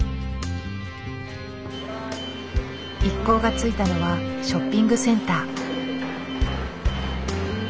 一行が着いたのはショッピングセンター。